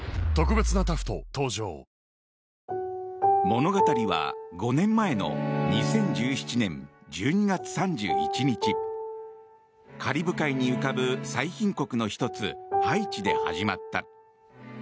物語は５年前の２０１７年１２月３１日カリブ海に浮かぶ最貧国の１つハイチで始まった。